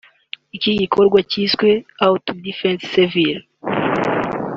Iki gikorwa cyiswe « Auto-défense civile »